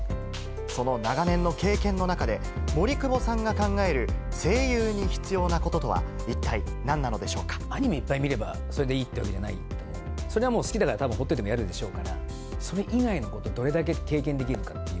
その長年の経験の中で、森久保さんが考える声優に必要なこととは、アニメいっぱい見ればそれでいいってわけじゃないと思うんで、それはもう、好きだから、たぶん、ほっといてもやるでしょうから、それ以外のことをどれだけ経験できるかっていう。